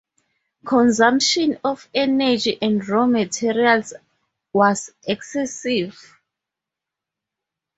Consumption of energy and raw materials was excessive.